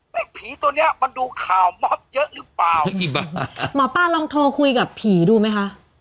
ผีตัวเนี้ยมันดูข่าวม็อบเยอะหรือเปล่าหมอป้าลองโทรคุยกับผีดูไหมคะ